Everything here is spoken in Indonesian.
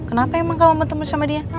kenapa emang kamu temu sama dia